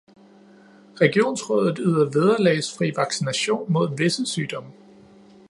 Regionsrådet yder vederlagsfri vaccination mod visse sygdomme